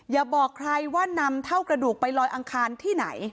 อย่าบอกใครว่านำเท่ากระดูกไปลอยอังคารที่ไหน